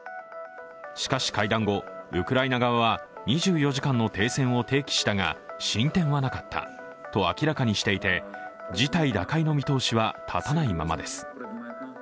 しかし会談後、ウクライナ側は２４時間の停戦を提起したが進展はなかったと明らかにしていて事態打開の見通しは立たないままです。